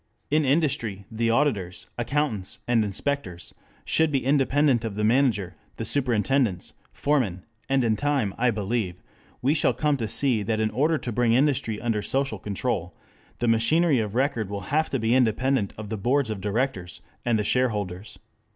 In industry, the auditors, accountants, and inspectors should be independent of the manager, the superintendents, foremen, and in time, I believe, we shall come to see that in order to bring industry under social control the machinery of record will have to be independent of the boards of directors and the shareholders.